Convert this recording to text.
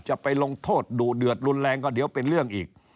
จะไปลงโทษดุเดือดรุนแรงก็เดี๋ยวเป็นเรื่องอีก